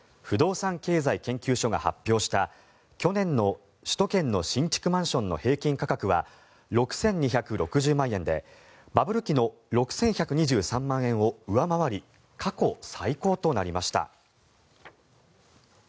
不動産経済研究所が発表した去年の首都圏の新築マンションの平均価格は６２６０万円でバブル期の６１２３万円を上回り過去最高となりました。